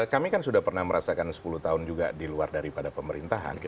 kami kan sudah pernah merasakan sepuluh tahun juga di luar daripada pemerintahan